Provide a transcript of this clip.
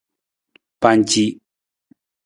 Panci.